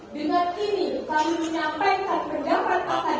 dengan ini kami menyampaikan pendapat akademik kami